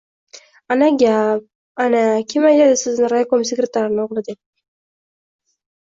— Ana gap, ana! Kim aytadi sizni raykom sekretarini o‘g‘li deb?